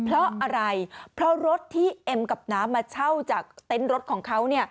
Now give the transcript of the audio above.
เพราะอะไรเพราะรถที่เอ็มกับน้ำมาเช่าจากเต็นต์รถของเขา